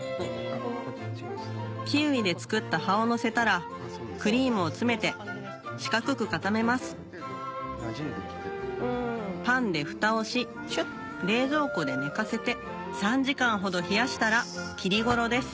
キウイで作った葉をのせたらクリームを詰めて四角く固めますパンでフタをし冷蔵庫で寝かせて３時間ほど冷やしたら切り頃です